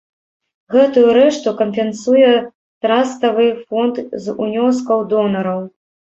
Гэтую рэшту кампенсуе траставы фонд з унёскаў донараў.